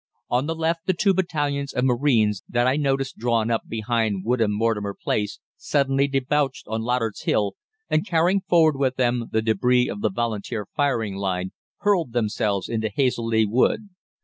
"On the left the two battalions of Marines that I noticed drawn up behind Woodham Mortimer Place suddenly debouched on Loddard's Hill, and, carrying forward with them the débris of the Volunteer firing line, hurled themselves into Hazeleigh Wood.